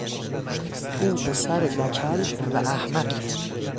او پسر دکل و احمقی بود.